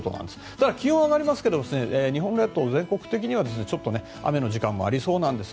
ただ、気温は上がりますけど日本列島、全国的にはちょっと雨の時間もありそうなんです。